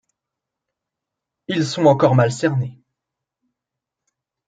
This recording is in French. Ils sont encore mal cernés.